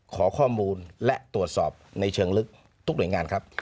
ขอข้อมูลและตรวจสอบในเชิงลึกทุกหน่วยงานครับ